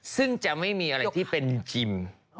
ซึ่งจะไม่มีอะไรที่เป็นคิม